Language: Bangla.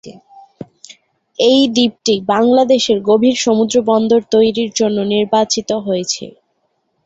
এই দ্বীপটি বাংলাদেশের গভীর সমুদ্র বন্দর তৈরির জন্য নির্বাচিত হয়েছে।